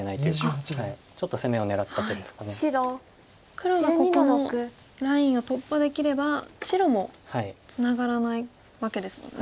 黒はここのラインを突破できれば白もツナがらないわけですもんね。